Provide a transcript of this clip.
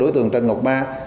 đối tượng trên ngọc ba